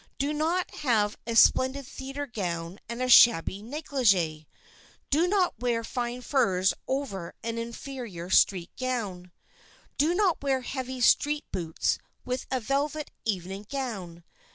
Do not have a splendid theater gown and a shabby negligee. Do not wear fine furs over an inferior street gown. Do not wear heavy street boots with a velvet evening gown.